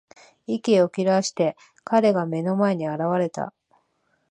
息を切らして、彼が目の前に現れた。